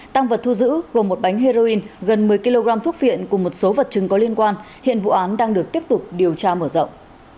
tăng vật thu giữ gồm một bánh heroin gần một mươi kg thuốc viện cùng một số vật chứng có liên quan hiện vụ án đang được tiếp tục điều tra mở rộng